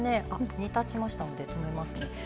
煮立ちましたんで止めますね。